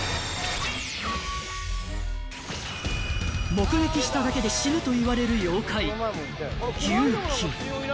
［目撃しただけで死ぬといわれる妖怪］